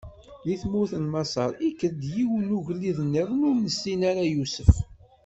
Di tmurt n Maṣer, ikker-d yiwen n ugellid-nniḍen ur nessin ara Yusef.